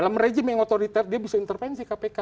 dalam rejim yang otoriter dia bisa intervensi kpk